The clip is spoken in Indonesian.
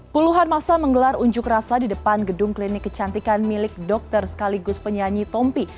puluhan masa menggelar unjuk rasa di depan gedung klinik kecantikan milik dokter sekaligus penyanyi tompi